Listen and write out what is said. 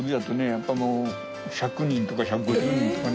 やっぱりもう１００人とか１５０人とかね。